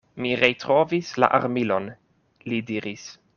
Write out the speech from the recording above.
Mi retrovis la armilon, li diris.